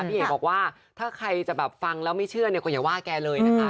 เอ๋บอกว่าถ้าใครจะแบบฟังแล้วไม่เชื่อเนี่ยก็อย่าว่าแกเลยนะคะ